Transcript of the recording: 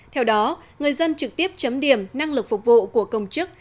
theo đó người dân trực tiếp chấm điểm năng lực phục vụ của công chức